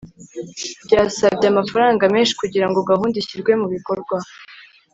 byasabye amafaranga menshi kugirango gahunda ishyirwe mubikorwa